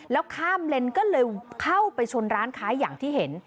แล้วข้ามเลนก็เลยเข้าไปชนร้านค้าอย่างที่เห็น